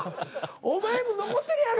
お前も残ってるやろ！